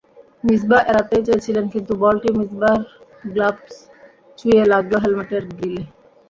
মিসবাহ এড়াতেই চেয়েছিলেন, কিন্তু বলটি মিসবাহর গ্লাভস ছুঁয়ে লাগল হেলমেটের গ্রিলে।